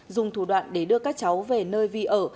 dùng thủ đoạn để đưa các cháu về nơi vi ở